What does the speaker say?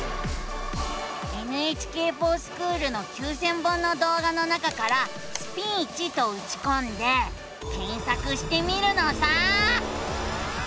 「ＮＨＫｆｏｒＳｃｈｏｏｌ」の９，０００本の動画の中から「スピーチ」とうちこんで検索してみるのさ！